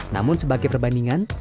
namun sebagai perbandingan